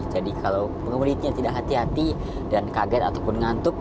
jadi kalau pengumumitnya tidak hati hati dan kaget ataupun ngantuk